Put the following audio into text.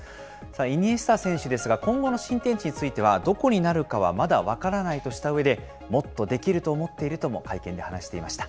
イニエスタ選手ですが、今後の新天地についてはどこになるかはまだ分からないとしたうえで、もっとできると思っているとも会見で話していました。